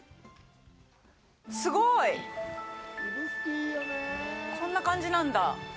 すごい！こんな感じなんだ。